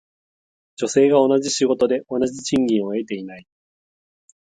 女性が同じ仕事で同じ賃金を得ていない。